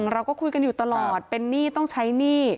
เราก็คุยกันอยู่ตลอดเป็นหนี้ต้องใช้หนี้